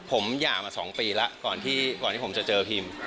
ผมหย่ามา๒ปีแล้วก่อนที่ผมจะเจอพิม